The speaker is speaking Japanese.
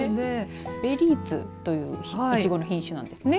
ベリーツといういちごの品種なんですね。